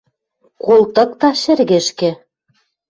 Колтыкта шӹргӹшкӹ.